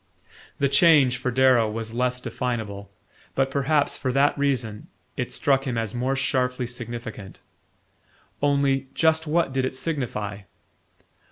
The change, for Darrow, was less definable; but, perhaps for that reason, it struck him as more sharply significant. Only just what did it signify?